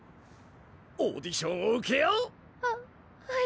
オーディションを受けよう！ははい。